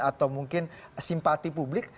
atau mungkin simpati publik